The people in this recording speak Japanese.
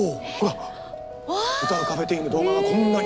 歌うカフェ店員の動画がこんなに！